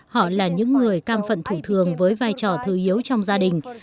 họ là những người cam phận thủ thường với vai trò thư yếu trong gia đình